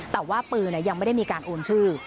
แต่ว่าปืนยังไม่ได้มีการโอนชื่อ